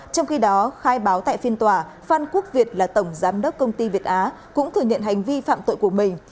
trong khi đó khai báo tại phiên tòa phan quốc việt là tổng giám đốc công ty việt á cũng thừa nhận hành vi phạm tội của mình